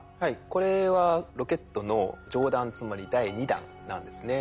これはロケットの上段つまり第２段なんですね。